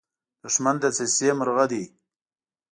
دښمن د دسیسې مرغه دی